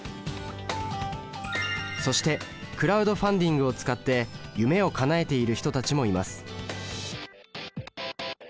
そしてクラウドファンディングを使って夢をかなえている人たちもいます。